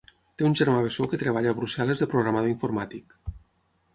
Té un germà bessó que treballa a Brussel·les de programador informàtic.